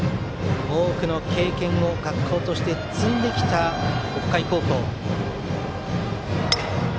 多くの経験を学校として積んできた北海高校。